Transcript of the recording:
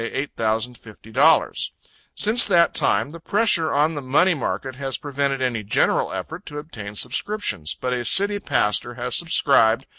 $8,050 Since that time, the pressure on the money market has prevented any general effort to obtain subscriptions, but a city pastor has subscribed..............................